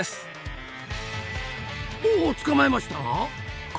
おおっ捕まえましたな！